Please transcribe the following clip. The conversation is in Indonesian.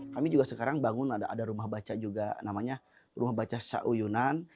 kami juga sekarang bangun ada rumah baca juga namanya rumah baca sauyunan